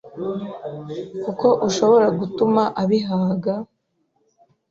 kuko ushobora gutuma abihaga,